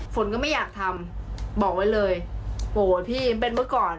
ฝนก็ไม่อยากทำบอกไว้เลยโหพี่เป็นเมื่อก่อน